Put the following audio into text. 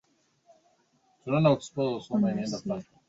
ilitumika kwa tamaduni na dini uongofu wa hiari